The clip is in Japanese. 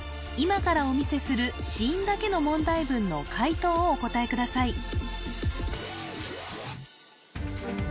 今からお見せする子音だけの問題文の解答をお答えください